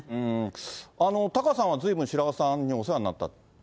タカさんはずいぶん、白輪さんにお世話になった？